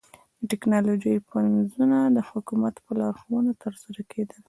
د ټکنالوژۍ پنځونه د حکومت په لارښوونه ترسره کېدل.